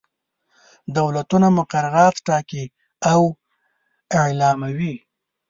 دولتونه مقررات ټاکي او اعلاموي.